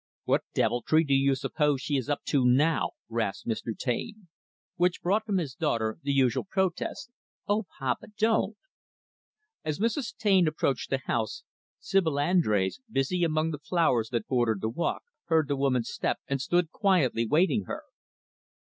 "What deviltry do you suppose she is up to now," rasped Mr. Taine. Which brought from his daughter the usual protest, "O, papa, don't," As Mrs. Taine approached the house, Sibyl Andrés busy among the flowers that bordered the walk heard the woman's step, and stood quietly waiting her.